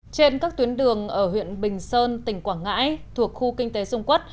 trên các tuyến đường ở huyện bình sơn tỉnh quảng ngãi thuộc khu kinh tế dung quốc